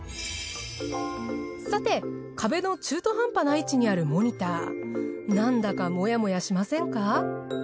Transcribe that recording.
さて壁の中途半端な位置にあるモニターなんだかモヤモヤしませんか？